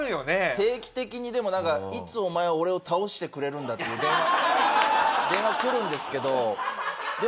定期的にでもいつお前は俺を倒してくれるんだっていう電話がくるんですけど。